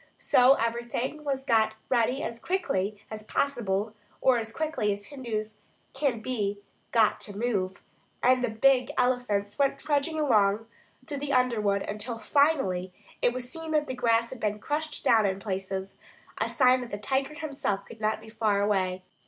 So everything was got ready as quickly as possible, or as quickly as Hindus can be got to move, and the big elephants went trudging along through the underwood until finally it was seen that the grass had been crushed down in places, a sign that the tiger himself could not be far away.